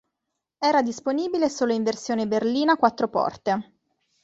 Era disponibile solo in versione berlina quattro porte.